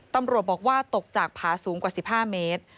ตำรวจบอกว่าตกจากผาสูงกว่า๑๕เมตร